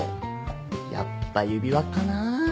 やっぱ指輪かな。